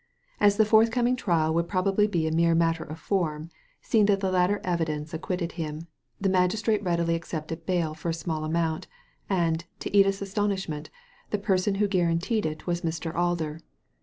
As the forthcoming trial would probably be a mere matter of form, seeing that the later evidence ac quitted him, the magistrate readily accepted bail for a small amount, and, to Edith's astonishment, the person who guaranteed it was Mr. Alder.